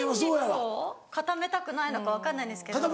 筋肉を固めたくないのか分かんないんですけど。